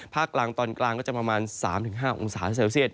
ภาคกลางตอนกลางก็จะประมาณ๓๕องศาเซลเซียต